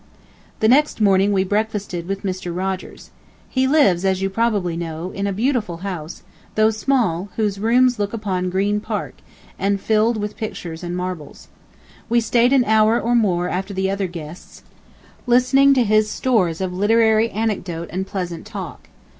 The next morning we breakfasted with Mr. Rogers. He lives, as you probably know, in [a] beautiful house, though small, whose rooms look upon the Green Park, and filled with pictures and marbles. We stayed an hour or more after the other guests, listening to his stores of literary anecdote and pleasant talk.